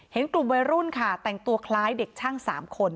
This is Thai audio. เห็นกลุ่มวัยรุ่นค่ะแต่งตัวคล้ายเด็กช่าง๓คน